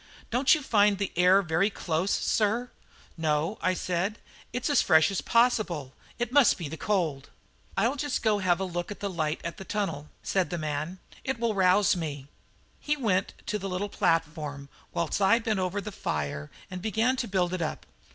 "Don't you find the air very close, sir?" "No," I said; "it is as fresh as possible; it must be the cold." "I'll just go and have a look at the light at the tunnel," said the man; "it will rouse me." He went on to the little platform, whilst I bent over the fire and began to build it up.